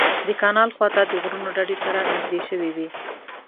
د کانال خوا ته د غرونو ډډې سره نږدې شوې وې.